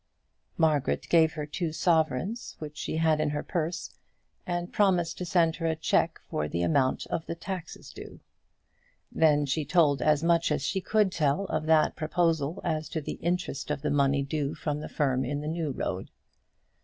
Margaret gave her two sovereigns which she had in her purse, and promised to send her a cheque for the amount of the taxes due. Then she told as much as she could tell of that proposal as to the interest of the money due from the firm in the New Road.